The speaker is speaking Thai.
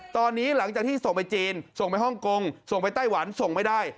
ตอนนี้หลังจากที่ส่งไปจีนส่งไปฮ่องกงส่งไปไต้หวันส่งไม่ได้